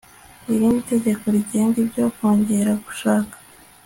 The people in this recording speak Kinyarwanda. irindi tegeko rigenga ibyo kongera gushaka